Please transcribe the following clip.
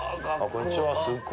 こんにちは。